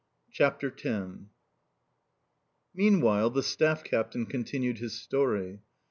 CHAPTER X MEANWHILE the staff captain continued his story.